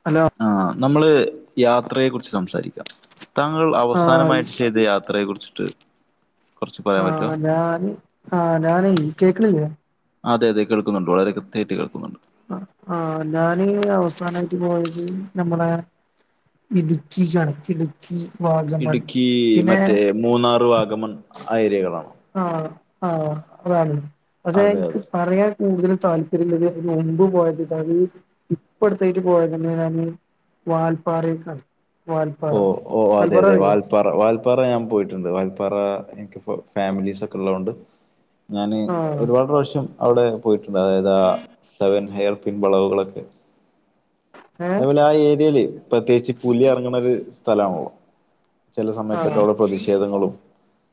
Hello ആഹ് നമ്മള് യാത്രയെ കുറിച്ച് സംസാരിക്കാം താങ്കൾ ആഹ് അവസാനമായിട്ട് ചെയ്ത യാത്രയെ കുറിച്ചിട്ട് കുറച്ച് പറയാൻ പറ്റുമോ ആഹ് ഞാൻ ആഹ് ഞാനെ കേക്കണില്ലേ അതെ അതെ കേൾക്കുന്നുണ്ട് വളരെ കൃത്യായിട്ട് കേൾക്കുന്നുണ്ട് ആഹ് ഞാന് അവസാനായിട്ട് പോയത് ഞമ്മടെ ഇടുക്കി [unintelligible] ഇടുക്കി വാഗമൺ പിന്നെ മൂന്നാറ് വാഗമൺ ആ ഏരിയകളാണോ ആഹ് ആഹ് അതാണ് പക്ഷെ അതെ ഇൻക്ക് അതെ പറയാൻ കൂടുതലും താല്പര്യമിള്ളത് മുമ്പ് പോയത് ഇതാണ് ഇപ്പട്ത്തായ്ട്ട് പോയത് ഞാന് വാൽപ്പാറേക്കാണ് വാൽപ്പാറ ഓഹ് ഓഹ് അതെ വാൽപ്പാറ അതെ അറിയോ വാൽ പ്പാറ വാൽപ്പാറ ഞാൻ പോയിട്ടുണ്ട് വാൽപ്പാറ എനിക്ക്പ്പം ഫാമിലീസൊക്കെ ഉള്ളകൊണ്ട് ഞാന് ആഹ് ഒരുപാട് പ്രാവശ്യം അവിടെ പോയിട്ടുണ്ട് അതായത് ആ സെവൻ ഹെയ പിൻ വളവുകളക്കെ ഏഹ് അതുപോലെ ആ ഏരിയേല് പ്രത്യേകിച്ച് പുലി എറ ങ്ങണൊരു സ്ഥലാണല്ലൊ ചെല സമയത്തൊക്കെ ആഹ് അവിടെ പ്രതിഷേധങ്ങളും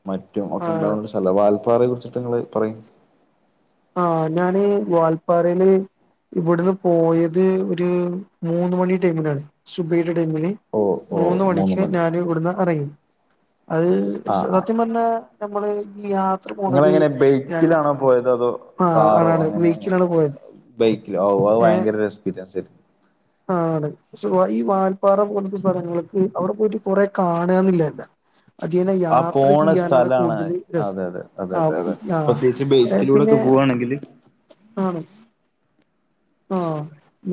മറ്റ് റ്റും ഒക്കെ ആഹ് ഇണ്ടാവുന്നൊരു സ്ഥലവാ വൽപ്പാറെ കുറിച്ചട്ട്ങ്ങള് പറയ് ആഹ് ഞാന് വാൽപ്പാറേല് ഇവട്ട്ന്ന് പോയത് ഒരു മൂന്ന് മണി ടൈമിലാണ് സുബ്ഹിന്റെ ടൈമില് ഓ ഓ മൂന്ന് മണിയ്ക്ക് മണി ഞാൻ ൽ വ്ട്ന്നാ പറയ് അത് സ ആഹ് ആഹ് സത്യം പർഞ്ഞാ നമ്മള് ഈ യാ ത്ര പോണത് നിങ്ങളെങ്ങനെ ഞാൻ ബൈക്കിലാണോ പോയത് അതോ കാറോ അങ്ങനെ പോയത് ബൈക്കിലോ ആവും. അത് വയങ്കര എക്സ്പീരിയൻസായിരിന്നു ആഹ്, ആണ് [unintelligible] ഈ വാൽപ്പാറ പോലത്തെ സ്ഥലങ്ങൾക്ക് അവിടെ പോയിട്ട് കൊറെ കാണാന്നില്ലെല്ല ആ പോണ സ്ഥലാണ് കൂടുതൽ അതെ, രസം അതെ അതെ അതെ അതെ ആഹ് പ്രത്യേകി ച്ച് ബെയ്ക്കിലൂടൊക്കെ പോവാണെങ്കില് ആഹ് മിസ് ആഹ്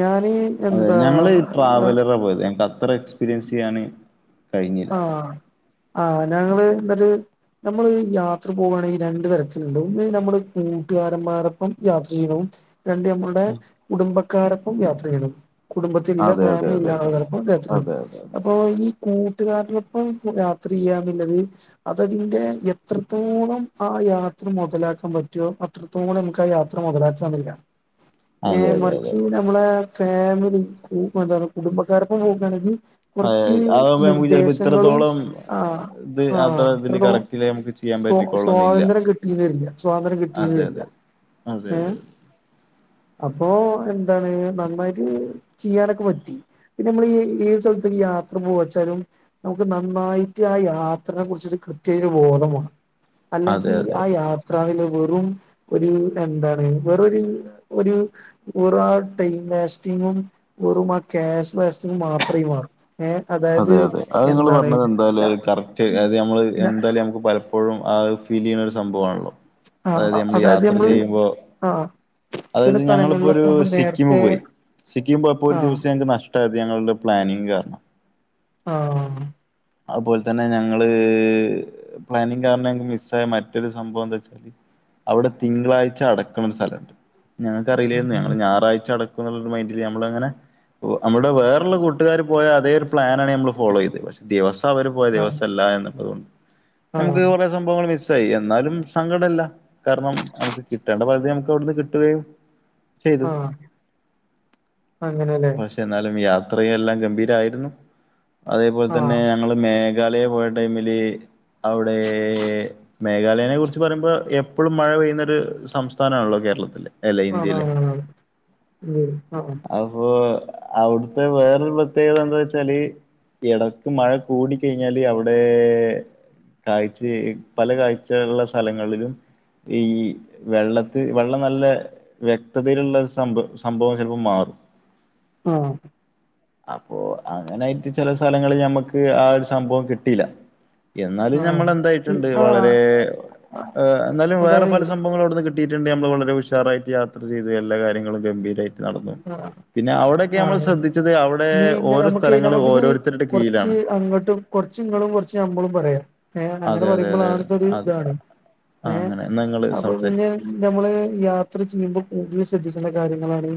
ഞാനി അതെ ഞങ്ങള് ഈ ട്രാവലറാ പോയത് ഞങ്ങക്ക് അത്ര എക്സ്പീരിയൻസ് ചെയ്യാന് കഴിഞ്ഞില്ല ആഹ് ആഹ്, ഞങ്ങള് ന്നട്ട് നമ്മള് യാത്ര പോവാണെങ്കി രണ്ട് തരത്തില്ണ്ടാവും ഒന്ന് ഞമ്മള് കൂട്ട്കാരന്മാരപ്പം യാത്ര ചെയ്യ്ണവും രണ്ട് ഞമ്മളുടെ കുടുംബക്കാരൊപ്പം യാത്ര ചെയ്യണവും കുടുംബത്തില്ല അതെ അതെ അതെ ഫാമിലില്ല അതെ ആള് ചെലപ്പം അതെ അതെ [unintelligible] അതെ അതെ അപ്പൊ ഈ കൂ ട്ടുകാര്ടൊപ്പം യാത്രെയ്യാന്ന്ല്ലത് അതതിന്റെ എത്രത്തോളം ആ യാത്ര മൊതലാക്കാൻ പറ്റോ അത്ര ത്രത്തോളം അമ്മക്കായാത്ര മൊതലാ [unintelligible] അതെ ഏഹ് അതെ മറിച്ച് ഞ അതെ നമ്മളെ ഫേമിലി ഉം എന്താണ് കുടുംബക്കാരപ്പ പോകാണെങ്കി അയ് അതാവുമ്പൊ ഞ നമുക്ക് ചെലപ്പോ ഇത്രത്തോളം ആഹ് ഇത് ആഹ് അത്ര ഇതില് അത്രത്തോളം കറക്റ്റില് ഞമുക്ക് ചെയ്യാൻ പറ്റിക്കോളണന്നില്ല. ട്ടീന്ന് വരില്ല സ്വാതന്ത്ര്യം കിട്ടീന്ന് വരില്ല്യ. അതെ അതെ അതെ അപ്പോ എന്താണ് നന്നായിട്ട് ചെയ്യാനൊക്കെ പറ്റി പിന്നെ ഞമ്മള് ഈ ഏത് സ്ഥല്ത്ത്ക്ക് യാത്ര പോവാച്ച തരും നമുക്ക് നന്നായിട്ട് ആ യാത്രനെ കുർച്ചിട്ട് കൃത്യായ ബോധം വേണം അതെ അല്ലെങ്കി അതെ ആ യാത്രാവില് വെറും ഒരു എന്താണ് വേറൊര് ഒരു ഒറു ആ ടൈം വേസ്റ്റിങ്ങും വെറും ആ കേഷ് വേസ്റ്റിങ്ങും മാത്രയി മാറും ഏഹ് അ അതെ, അതെ അത് നിങ്ങള് പർഞ്ഞത് എന്തായാലും അയ് കറക്റ്റ് അത് ഞമ്മള് ന എന്തായാലും ഞമുക്ക് പല പ്പോഴും അത് ഫീലെയ്യ്ണ ഒരു സംഭവാണല്ലോ ആ അതായത് ഞമ്മളീ യാത്ര നമ്മള് ചെയ്യുമ്പോ ആ ചില അതായത് ഞങ്ങള്‌പ്പൊരു സ്ഥലങ്ങളിലൊക്കെ ആവുമ്പോ സിക്കിം നേരത്തെ പോയി സിക്കിും പോയപ്പൊ ഒരു ആ ദിവസം ഞങ്ങക്ക് നഷ്ടായത് ഞങ്ങളുടെ പ്ലാനിങ്ങ് കാരണം ആഹ് അതുപോൽ തന്നെ ഞങ്ങള് പ്ലാനിങ് കാരണം ഞങ്ങക്ക് മിസ്സായ മറ്റൊരു സംഭവം ന്താച്ചാല് അവ്ടെ തിങ്കളാഴ്ച അടക്ക്ണൊരു സ്ഥലണ്ട് ഞങ്ങക്കറീലേര്ന്ന് ഞങ്ങള് ഞാറാഴ്ച അട ക്ക്ന്ന്ള്ളൊരു മൈന്റില് ഞമ്മളങ്ങനെ ഓഹ് അമ്മൾടെ വേറെള്ള കൂട്ടുകാര് പോയ അതേ ഒരു പ്ലാനാണ് നമ്മള് ഫോളോ ചെയ്തെ പക്ഷെ ദിവസം അവര് പോയ ആ ദിവസല്ല എന്നതുകൊണ്ട് ആ നമുക്ക് കൊറേ സംഭവങ്ങൾ മിസ്സായി എന്നാലും സങ്കടല്ല. കാരണം നം നമുക്ക് കിട്ടേണ്ട പദ്ധതി ഞമുക്ക് അവിട്ന്ന് കിട്ടുകയും ചെയ്തു. ആ അങ്ങനെല്ലേ ഭാഷ് എന്നാലും യാത്ര എല്ലാം ഗംഭീരായിരുന്നു. അതേപോലെ ആ തന്നെ ഞങ്ങള് മേഘാലയെ പോയ ടൈമില് അവിടേ മേഘാലയനെ കുറിച്ച് പറയുമ്പോ എപ്പോഴും മഴ പെയ്യുന്നൊരു സംസ്ഥാന ആണല്ലോ കേരളത്തില് അല്ലേ ഇന്ത്യയില് ആണാണാണ് ഉം ആ അപ്പൊ അവിടുത്തെ വേറൊരു പ്രത്യേകത എന്താ വച്ചാല് ഇട ഇപ്പം മഴ കൂട കഴിഞ്ഞാല് അവിടേ കാഴ്ച പല കാഴ്ചയ ഉള്ള സ്ഥലങ്ങളിലും ഈ വെള്ളത്തി വെള്ളം നല്ല വ്യക്തതയിലുള്ള സംഭ സംഭവം ചിലപ്പോൾ മാറും ആഹ് അപ്പൊ അങ്ങനെയായിട്ട് ചില സ്ഥലങ്ങളിൽ ഞമ്മക്ക് ആ ഒരു സംഭവം കിട്ടിയില്ല എന്നാലും ആ ഞമ്മൾെന്തായിട്ടുണ്ട് ആ വളരേ എന്നാലും വേറെ പല അതായത് സംഭവങ്ങള അവിടുന്ന് കിട്ടി. കിട്ടിട്ടുണ്ട് നമ്മള് വളരെ ഉഷാറായിട്ട് യാത്ര ചെയ്തു എല്ലാ കാര്യങ്ങളും ഗംഭീരമായിട്ട് നടന്നു ആ പിന്നെ അവിടെയക്കെ നമ്മൾ ആണ് ശ്രദ്ധിച്ചത് അവിടെ നീ ഓരോ നമുക്ക് സ്ഥലങ്ങളും ഓരോരുത്തരുടെ കീഴിലാണ്. കുറച്ചിങ്ങളും കുറച്ച് നമ്മളും പറയാം. ഏഹ് അങ്ങനെ അതെ അതെ പറയുമ്പോൾ അതെ ആൻസർ അതെ അതെ ഇതാണ് ഏഹ് അങ്ങനെ എന്നാ നിങ്ങള് അപ്പൊ പിന്നെ സംസാരിക്ക് നമ്മള് യാത്ര ചെയ്യുമ്പോൾ കൂടുതൽ ശ്രദ്ധിക്കേണ്ട കാര്യങ്ങളാണ്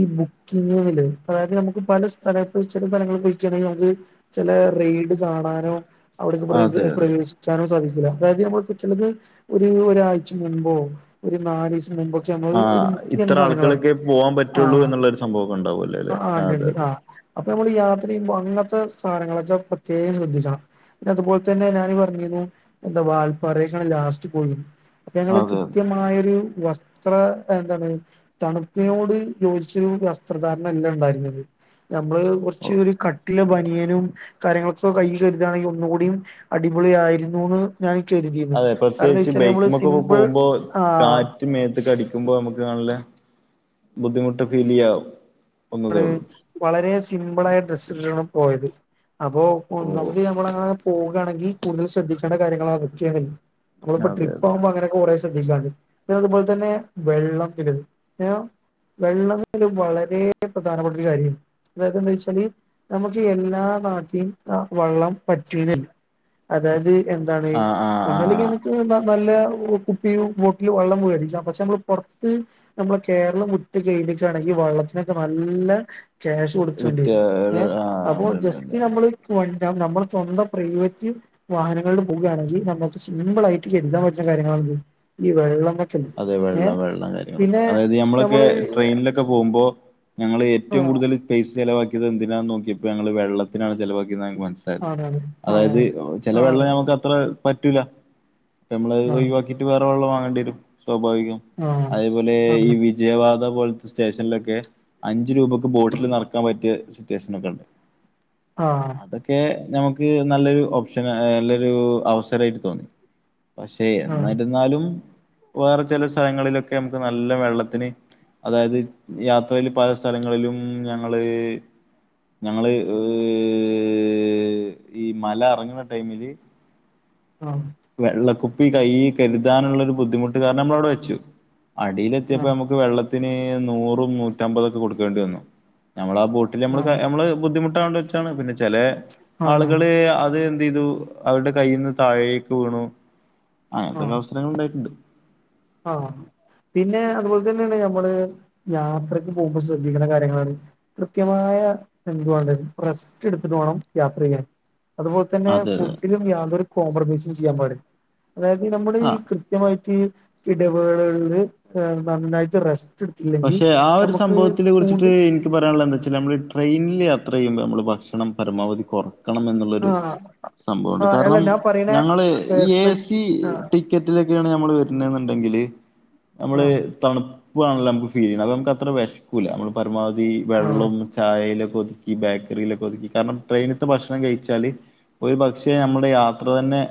ഈ ബുക്കിങ്ങുകളിലെ അതായത് നമുക്ക് പല സ്ഥലത്ത് വെച്ച് ചില സ്ഥലങ്ങളിൽ പോയികയാണെങ്കിൽ നമുക്ക് ചില റെയ്ഡ് കാണാനോ അവിടക്ക് അതെ അതെ പ്രവേശിക്ക വരുവാനും സാധിക്കില്ല അതായത് നമ്മള പറ്റുള്ളത് ഒരു ഒരാഴ്ച മുൻപോ ഒരു നാല് ദിവസം മുൻപോ ആ ചെലവര് ഒരു മുഖ്യന്തര ഇത്ര സാധനങ്ങളാണ്. ആളുകൾക്കെ പോവാൻ ആ പറ്റുള്ളൂ എന്നുള്ളൊരു സംഭവം ഒക്കെ ഒണ്ടാവൂ അല്ലേ അല്ലെ ആഹ് ആഹ് അതെ ഇണ്ട്ണ്ട് അതെ ആഹ് അപ്പൊ നമ്മൾ യാത്ര ചെയ്യുമ്പോ അങ്ങനത്തെ സ്ഥാനങ്ങളൊക്കെ പ്രത്യേകം ശ്രദ്ധിച്ചണം അതുപോലെ തന്നെ ഞാനി പറഞ്ഞിരുന്നു എന്താ വാൽപ്പാറക്കാണ് ലാസ്റ്റ് പോയിരുന്നു അപ്പൊ അതെ ഞങ്ങള് അതെ കൃത്യമായൊരു വസ്ത്ര എന്താണ് തണുപ്പിനോട് യോജിച്ചരു വസ്ത്രധാരണ അല്ല ഉണ്ടായിരുന്നത് നമ്മള് കുറച്ച ഓ ഒരു ക വീട്ടിലെ പനിയനും കാര്യങ്ങളൊക്കെ കയ് കരുതുകയാണെങ്കിൽ ഒന്നുകൂടിയും അടിപൊളിയായിരുന്നുന്ന് ഞാൻ കരുതിയുന്നു അതെ കാരണംന്താ പ്രത്യേകിച്ച് വെച്ചാൽ നമ്മള് സിമ്പിൾ ആഹ് മേത്ത് കടിക്കുമ്പോ നമുക്ക് നല്ല ബുദ്ധിമുട്ട് ഫീൽ ചെയ്യാവും അപ്പഴേ വളരെ സിമ്പിള ആയ ഡ്രസ്സിട്ടാണ് പോയത്. അപ്പൊ ഓഹ് നമുക്ക് നമ്മൾ അങ്ങനെ പോവയാണെങ്കിൽ കൂടുതൽ ശ്രദ്ധിക്കേണ്ട കാര്യങ്ങളാണ് മുഖ്യതാണ്. നമ്മളിപ്പോ അതെ ട്രിപ്പ് അതെ ആവുമ്പോ അങ്ങനൊക്കെ കുറെേ ശ്രദ്ധിക്കാണ്ട് പിന്നെ അതുപോലെ തന്നെ വെള്ളത്തിലും കരുത് വെള്ളത്തിലും വളരേ പ്രധാനപ്പെട്ടൊരു കാര്യം അതതന്താ വെച്ചാല് നമുക്ക് എല്ലാ നാട്ടും ആ വെള്ളം പറ്റൂലല്ലോ അതായത് എന്താണ് ആഹ് ആഹ് ഒന്നല്ലങ്കിൽ ആഹ് നമുക്ക് നല്ല കുപ്പിയും ബോട്ടില് വെള്ളം വേടിയ്ക്കാം പക്ഷെ നമ്മള് പുറത്ത് നമ്മള കേരളം ഒട്ട് ചെയ്തിട്ടാണെങ്കിൽ വള്ളത്തിനൊക്കെ നല്ലാ ക്യാഷ് കൊടുക്കേണ്ടി വിറ്റ് വരും ഏഹ് ആഹ് അപ്പോ ഉണ്ട് ഉണ്ട് ഉണ്ട് ജസ്റ്റ് ഉണ്ട് നമ്മള് പോണ്ട നമ്മുടെ സ്വന്തം പ്രൈവറ്റ് വാഹനങ്ങളിൽ പോവുകയാണെങ്കിൽ നമുക്ക് സിമ്പിൾ ആയിട്ട് ചെരുതാൻ പറ്റുന്ന കാര്യങ്ങളാണ് ഈ വെള്ളങ്ങൾ അതെ വെള്ളം വെള്ളം കാര്യങ്ങളൊക്കെ അതായത് നമ്മളൊക്കെ നമ്മള് ട്രെയിനിൽ ട്രെയിനിൽ പോകുമ്പോ ഞങ്ങൾ ആ ഏറ്റവും കൂടുതൽ പൈസ ചിലവാക്കിയത് എന്തിനാന്ന് നോക്കിയ ഞങ്ങള് വെള്ളത്തിനാണ് ചിലവക്കിയത് എന്ന് ഞങ്ങൾക്ക് മനസിലായത് ആണാണ് ആ അതായത് ചില വെള്ളം ആണ് നമുക്ക് അത്ര അത്ര പറ്റൂല്ല നമ്മള് ആ ഒഴിവാക്കിയിട്ട് വേറെ വെള്ളം വാങ്ങേണ്ടി വരും സ്വാഭാവികം ആ അതേപോലെ ഈ ആണ് വി ജയവാദ പോലത്തെ സ്റ്റേഷനിലൊക്കെ അഞ്ച് രൂപയ്ക്ക് ബോട്ടിൽ നറക്കാൻ പറ്റിയ സിറ്റുവേഷന ഒക്കെ ഉണ്ട് [inaudible] ആഹ് അതൊക്കെ നമുക്ക് നല്ലൊരു ഓപ്ഷനാ നല്ലൊരു അവസരേയിട്ട് തോന്നി പക്ഷെ എന്നര്ന്നാലും വേറെ ചെല സ്ഥലങ്ങളിലൊക്കെ നമുക്ക് നല്ല വെള്ളത്തിന് അതായത് യാത്രയില് പല സ്ഥലങ്ങളിലും ഞങ്ങള് ഞങ്ങള് ഏ്ഹ് ഈ മല എറങ്ങ്ണ ടൈമില് [inaudible] ആഹ് വെള്ളക്കുപ്പി കയ്യീ കര്താനുള്ള ഒരു ബുദ്ധിമുട്ട് കാരണം നമ്മളഅവ്ടെ വെച്ചു ആ അടിയിലെത്തിയപ്പോ നമുക്ക് വെള്ളത്തിന് നൂറും നൂറ്റമ്പതൊക്കെ കൊടുക്കേണ്ടി വന്നു നമ്മള ആ ബോട്ട് ട്ടില് നമ്മള് ആഹ് നമ്മള് ബുദ്ധിമുട്ടാണ്ടച്ചാണ് പിന്നെ ചെലേ ആഹ് ആളുകള് അത് എന്തെയ്തൂ അവരുടെ കയ്യീന്ന് താഴേക്ക് വീണു അങ്ങൻത്തൊക്കെ ആഹ് പ്രശ്നങ്ങള് ഉണ്ടായിട്ടുണ്ട് ആഹ് പിന്നെ അതുപോൽത്തന്നെണ് നമ്മള് യാത്രക്ക് പോകുമ്പോ ശ്രദ്ധിക്കണ്ട കാര്യങ്ങളാണ് കൃത്യമായ എന്തുവാണ്ടെ റെസ്റ്റ് ഇട്ത്തിട്ട് വേണം യാത്രെയ്യാൻ അതുപോലെ തന്നെ അതെ അതെ ഫുഡിലും യാതൊരു കോംപ്രമൈസും ചെയ്യാൻ പാടി അതായത് നമ്മുടെ ഈ ആ കൃത്യമായി യിട്ട് ഇടവേളകളില് നന്നായിട്ട് റെസ്റ്റ് ഇട് പക്ഷെ ആ ഒരു സംഭവത്തിനെ കുറിച്ചിട്ട് ഇൻക്ക് പറയാള്ളന്തേച്ചാ നമ്മള് ട്രെയിനില് യാത്ര ചെയ്യുമ്പോ നമ്മള് ഭക്ഷണം പരമാവധി കാെറ ക്കണംന്ന് എന്നുള്ളരു ആഹ് സംഭവുണ്ട് ആഹ് അല്ല കാരണം ഞാൻ പറയണ ഞങ്ങള് ഈ ഏഹ് എ സ്പെ സീ ആഹ് ടീ ക്കറ്റിലൊക്കെയാണ് നമ്മള് വരുന്നെ ന്ന്ണ്ടെങ്കില് നമ്മള് ആഹ് തണുപ്പാണല്ലോ നമുക്ക് ഫീൽ അതമ്മുക്ക് അത്ര വെശക്കൂല്ല നമ്മൾ പരമാവധി ആഹ് വെള്ളാെം ചായയിലാെക്ക ഒതുക്കി ബേക്കറിയിലൊക്കെ ഒതുക്കി കാരണം ട്രെയിനത്തെ ഭക്ഷണം കഴിച്ചാല് ഒരു പക്ഷേ നമ്മടെ യാത്ര തന്നെ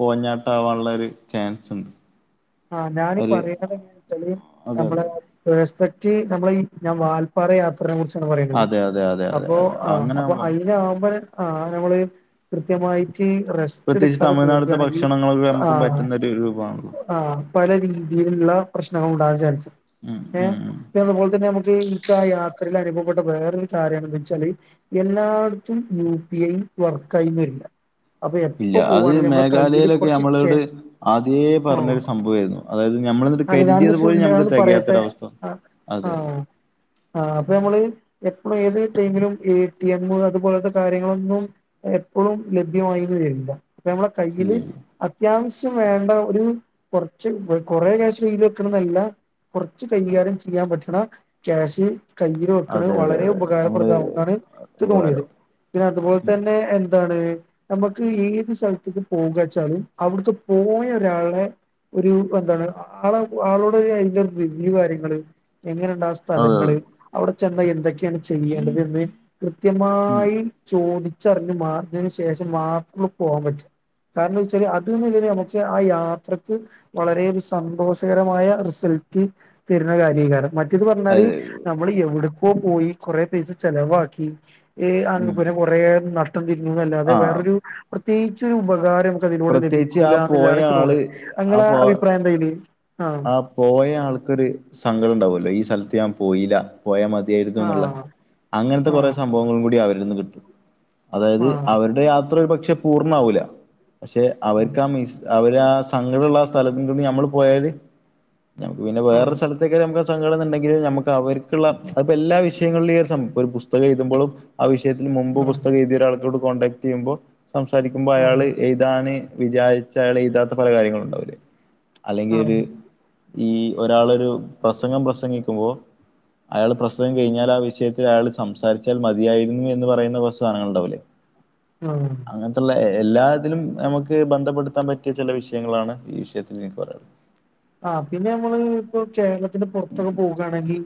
കോഞ്ഞാട്ടം ആവാള്ളൊരു ചാൻസ് ഇണ്ട് ആഹ് ഞാനീ പറീണതേന്ത്ച്ചാല് അതെ നമ്മളെ അതെ പെസ്പെക്റ്റ് നമ്മള ഈ ഞാൻ വാൽപ്പാറ യാ ത്രനെ കുറിച്ചാണ് പറീണത് അതെ അതെ അതെ അതെ അപ്പോ അതെ ആഹ് അങ്ങനെ അപ്പൊ ആകുമ്പോ അയില് ആകുമ്പളേ ആഹ് നമ്മള് കൃത്യമായിട്ട് റെസ് പ്രത്യേകിച്ച് തമിഴ്നാട്ത്തെ ഭക്ഷണങ്ങളൊക്കെ നമുക്കും ആഹ് പറ്റുന്ന ഒരു രൂപമാണല്ലോ ആഹ് പല രീതിയിലുള്ള പ്രശ്നങ്ങളും ഉണ്ടാവാൻ ചാൻസ് ഉം ഏഹ് ഉം ഉം പിന്നെ അതുപോലെ തന്നെ നമുക്ക് ഈ ചായാ യാത്രയില് അനുഭവപ്പെട്ട വേറൊരു കാര്യണ് എന്തേച്ചാല് എല്ലാട്ത്തും യു പി ഐ വർക്കായീന്ന് വരൂല്ല അപ്പൊ ഇല്ല എപ്പൊ അത് പോവാണ്ന്നെ ഞമ്മള കയ്യിൽ മേഘാലയയിലൊക്കെ കാെറച്ച് ക്യാ നമ്മളോട് ആദ്യേ പറഞ്ഞൊരു സംഭവമായിരുന്നു അതായത് നമ്മള് ഇന്നിട്ട് അല്ല ഞാനൊന്ന് കര്തിയത് ഫുൾ പോലും ഞമുക്ക് ഞാനൊന്ന് പറയട്ടെ തെകയാത്തൊരവസ്ഥ ആഹ് അതെ ആഹ് ആഹ് അപ്പൊ നമ്മള് എപ്പഴും ഏത് ടൈമിലും എ ടി എം അതുപോൽത്തെ കാര്യങ്ങളൊന്നും എപ്പളും ലഭ്യമായി വരില്ല അപ്പ നമ്മള ഇല്ല കയ്യില് ഇല്ല അത്യാവശ്യം വേണ്ട ഒരു കാെറച്ച് കൊറെ കാശ് കയ്യില് വെക്കണംന്നല്ല കാെറച്ച് കൈകാര്യം ചെയ്യാൻ പറ്റ്ണ ക്യാഷ് കയ്യില് വെക്ക്ണ അതെ അതെ വളരെ അതെ അതെ. നമ്മള് ഉപകാരപ്രദാകും എന്നാണ് ഇക്ക് തോന്നിയത് ഉപകാരം പിന്നെ അതുപോൽതന്നെ എന്താണ് നമുക്ക് ഏത് സ്ഥലത്തേക്ക് പോകാച്ചാലും അവ്ട്ക്ക് പോയ ഒരാളെ ഒരു എന്താണ് അഹ് ആഹ് ആളോട് ഒരു അയ്ന്റെ റിവ്യൂ കാര്യങ്ങള് എങ്ങനെണ്ടാസ് അതെ സ്ഥലങ്ങള് അതെ അവിടെ ചെന്നാ എന്തൊക്കെയാണ് ചെയ്യേണ്ടത് എന്ന് ഉം കൃത്യമായി ചോദിച്ചറിഞ്ഞ് മാറിയതിന് ശേഷം മാത്രം പോകാൻ പറ്റ് കാരണംന്ന് വെച്ചാല് അത്ൽന്ന് പക്ഷേ ആ യാത്ര- ക്ക് വളരെ സന്തോഷകരമായ റിസൾട്ട് തരുന്ന കാര്യക്കെയാണ് മ റ്റേത് പറഞ്ഞാല് അതെ നമ്മള് എവിടക്കോ പോയി കൊറെ പൈസ ചെലവാക്കി ഉം അങ്പ്പന്നെ കൊറെ നട്ടം തിരിഞ്ഞു അല്ലാതെ ആ വേറൊരു പ്രത്യേകിച്ചൊരു ഉപകാരം അതിലൂടെ പ്രത്യേകിച്ച് ആ ലഭിക്കൂലാന്നുള്ളതാണ് പോയ എനിക്ക് ആള് തോന്നണത് ആ ഇങ്ങളെ പോ അഭിപ്രായം എന്താ അയില് ആഹ് - ആ പോയ ആൾക്കൊരു സങ്കടണ്ടാവുമല്ലോ ഈ സ്ഥലത്ത് ഞാൻ പോയില്ല പോയാൽ മതിയായിരുന്നു എന്നുള്ള ആഹ് അങ്ങനത്തെ കുറെ ആഹ് സംഭവങ്ങളും കൂടി അവരിന്ന് കിട്ടും അതായത് ആഹ് അവരുടെ യാത്ര ഒരു പക്ഷെ പൂർണ്ണമാവൂല പക്ഷെ അവർക്ക് ആ മി അവര് ആ സങ്കടമുള്ള ആ സ്ഥലത്തിണ്ട് ഞമ്മള് പോയല്- നമുക്ക് പിന്നെ ആഹ് ആഹ് വേറൊരു സ്ഥലത്തേക്കെ നമുക്ക് സഘടന്നുണ്ടെങ്കില നമുക്ക് അവർക്കുള്ള അതിപ്പ എല്ലാ വിഷയം- വിഷയങ്ങളിലീ ഒരു സംഭവം ഒരു പുസ്തകം എഴുതുമ്പളും ആ വിഷയത്തിൽ മുമ്പ് പുസ്തകംയെഴുതി ഒരാൾളോട് കോണ്ടടാക്ട് ചെയ്യുമ്പൊ- സംസാരിക്കുമ്പോ ആഹ് അയാള് എഴുതാന് വിചാരിച്ച അയാള് എഴുതാത്ത പല കാര്യങ്ങളുണ്ടാവില്ലേ അല്ലെങ്കി ആഹ് ഒരു ഈ ഒരാളൊരു പ്രസംഗം പ്രസംഗിക്കുമ്പോ അയാള് പ്രസംഗം കഴിഞ്ഞാല് ആ വിഷയത്തിൽ അയാൾ സംസാരിച്ചാൽ മതിയായിരുന്നു എന്ന് പറയുന്ന കുറച്ച് സാധനങ്ങൾ ഉണ്ടാവില്ലേ ആഹ് അങ്ങനത്തുള്ള എല്ലാതിലും നമുക്ക് ബന്ധപ്പെടുത്താൻ പറ്റിയ ചെല വിഷയങ്ങളാണ് ഈ വിഷയത്തിൽ എനിക്ക് പറയാനുള്ളത് ആഹ് പിന്നെ നമ്മള് ഇപ്പൊ കേരളത്തിന് പുറത്തൊക്കെ പോകുകയാണെങ്കിൽ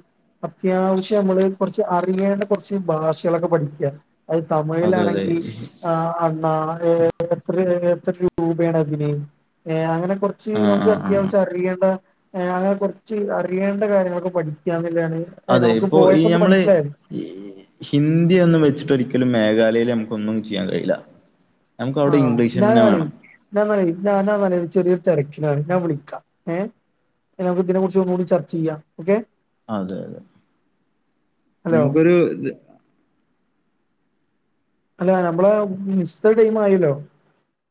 അത്യാവശ്യം നമ്മള് കുറച്ച് അറിയേണ്ട കുറച്ച് ഭാഷകളൊക്കെ പഠിക്കുക അത് അതെ അതെ തമിഴിലാണെങ്കി അണ്ണാ അണ്ണാ ഏ എത്ര എത്ര രൂപയാണ് അതിന് അങ്ങനെ കുറച്ച് ആ നമുക്ക് ആ ആ അത്യാവശ്യം അറിയേണ്ട അങ്ങനെ കുറച്ച് അറിയേണ്ട കാര്യങ്ങളൊക്കെ പഠിക്കങ്കില്ലാണ് അത് അതെ നമുക്ക് ഇപ്പോ ഈ പോയപ്പോക്ക് നമ്മള് മനസ്സിലായത് ഹിന്ദി ഒന്നും വെച്ചിട്ടൊരിക്കലും മേഘാലയൽ നമുക്കൊന്നും ചെയ്യാൻ കഴിയില്ല നമുക്കവിടെ ഇംഗ്ലീഷ് തന്നെ വേണം ഞാൻന്നാലെ ഞാനാ ന്നാലെ ചെറിയ ഒരു തിരക്കിലാണ് ഞാൻ വിളിക്കാം ഏഹ് നമുക്ക് ഇതിനെ കുറിച്ച് ഒന്നുകൂടി ചർച്ച ചെയ്യാം ഓക്കെ അതെ അതെ ഹലോ നമുക്കൊരു അല്ലെ നമ്മള് മിസ്ത്തെ ടൈം ആയില്ലോ